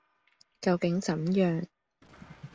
究竟怎樣；